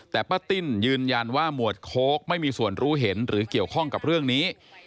แต่ป้าติ้นยืนยันว่าหมวดโค้กไม่มีส่วนรู้เห็นหรือเกี่ยวข้องกับเรื่องนี้